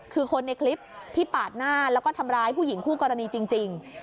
คือคนในคลิปที่ปาดหน้าแล้วก็ทำร้ายผู้หญิงคู่กรณีจริง